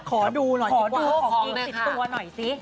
ขอดูหน่อยของอีก๑๐ตัวหน่อยสิ